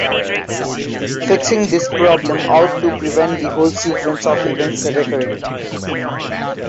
Fixing this problem ought to prevent the whole sequence of events recurring.